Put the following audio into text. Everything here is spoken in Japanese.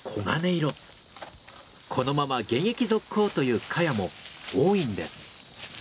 このまま現役続行というカヤも多いんです。